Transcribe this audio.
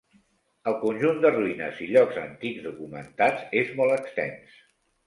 El conjunt de ruïnes i llocs antics documentats és molt extens.